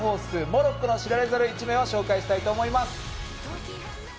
モロッコの知られざる一面を紹介したいと思います。